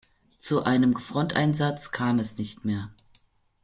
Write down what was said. Zu einem Fronteinsatz kam es nicht mehr.